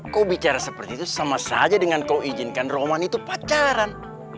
kau bicara seperti itu sama saja dengan kau izinkan rohman itu pacaran